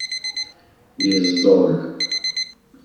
Yeẓẓul.